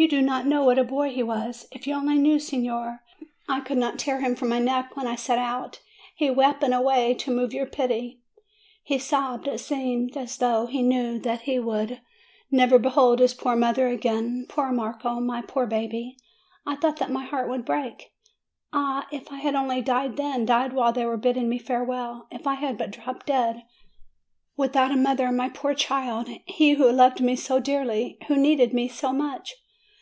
You do not know what a boy he was! If you only knew, signora! I could not tear him from my neck when I set out; he wept in a way to move your pity; he sobbed; it seemed as though he knew that he would FROM APENNINES TO THE ANDES 289 never behold his poor mother again. Poor Marco, my poor baby ! I thought that my heart would break ! Ah, if I had only died then, died while they were bid ding me farewell ! If I had but dropped dead ! With out a mother, my poor child, he who loved me so dearly, who needed me so much!